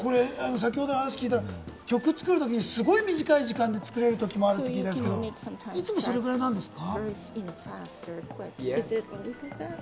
先ほど話を聞いたら、曲を作るときに、すごく短い時間で作れる時もあるって聞いたんですけど、いつもそれぐらいなんですか？